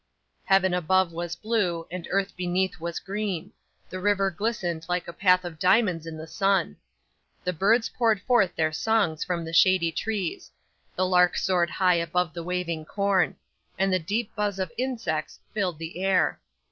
Heaven above was blue, and earth beneath was green; the river glistened like a path of diamonds in the sun; the birds poured forth their songs from the shady trees; the lark soared high above the waving corn; and the deep buzz of insects filled the air.